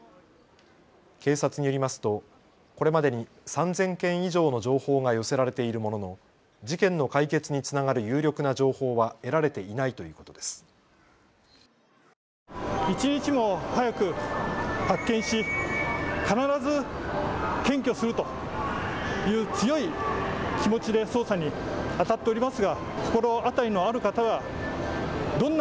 警察によりますとこれまでに３０００件以上の情報が寄せられているものの事件の解決につながる有力な情報は得られていないということです。